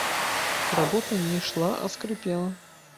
Работа не ішла, а скрыпела.